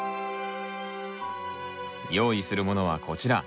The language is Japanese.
用意するものはこちら。